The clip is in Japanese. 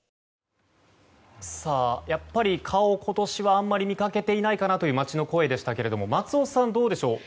やっぱり今年は蚊をあまり見かけていないかなという街の声でしたけれども松尾さん、どうでしょう。